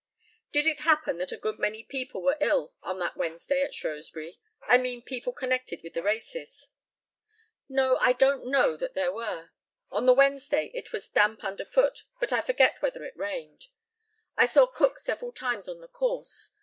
Did it happen that a good many people were ill on that Wednesday at Shrewsbury I mean people connected with the races? No. I don't know that there were. On the Wednesday it was damp underfoot, but I forget whether it rained. I saw Cook several times on the course.